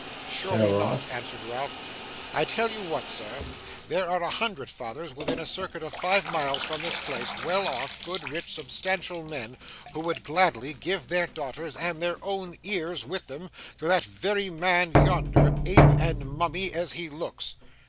'Surely not,' answered Ralph. 'I tell you what, sir; there are a hundred fathers, within a circuit of five miles from this place; well off; good, rich, substantial men; who would gladly give their daughters, and their own ears with them, to that very man yonder, ape and mummy as he looks.